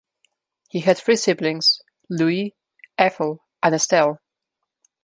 He had three siblings: Louis, Ethel, and Estelle.